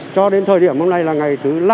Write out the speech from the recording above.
cho đến thời điểm hôm nay là ngày thứ năm